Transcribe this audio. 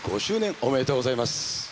ありがとうございます。